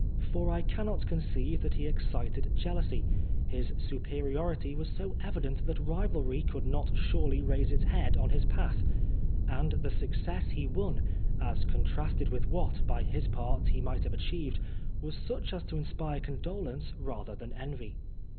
For I cannot conceive that he excited jealousy. His superiority was so evident that rivalry could not surely raise its head on his path ; and the success he won, as contrasted with what, by his parts, he might have achieved, was such as to inspire condolence rather than envy.